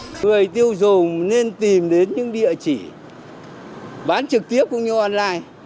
người tiêu dùng nên tìm đến những địa chỉ bán trực tiếp cũng như online